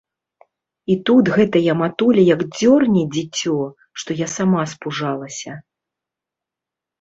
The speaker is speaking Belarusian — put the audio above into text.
І тут гэтая матуля як дзёрне дзіцё, што я сама спужалася.